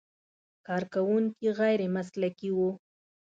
کارکوونکي غیر مسلکي و.